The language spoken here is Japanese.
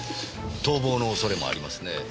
逃亡の恐れもありますね。